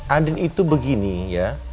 andi itu begini ya